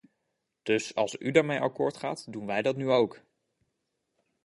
Dus als u daarmee akkoord gaat, doen wij dat nu ook.